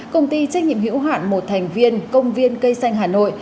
công ty trách nhiệm hữu hạn một thành viên công viên cây xanh hà nội